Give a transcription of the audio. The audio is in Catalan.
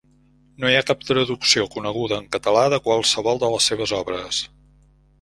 No hi ha cap traducció coneguda en català de qualsevol de les seves obres.